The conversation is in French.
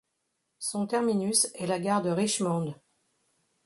Son terminus est la gare de Richmond.